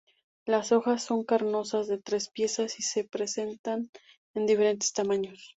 Las hojas son carnosas, de tres piezas y se presentan en diferentes tamaños.